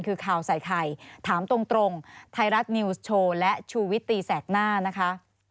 คือข่าวใส่ไข่ถามตรงไทยรัฐนิวส์โชว์และชูวิตตีแสกหน้านะคะ